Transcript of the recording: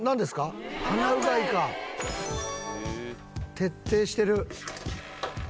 徹底してる。